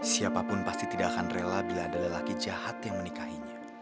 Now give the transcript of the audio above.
siapapun pasti tidak akan rela bila ada lelaki jahat yang menikahinya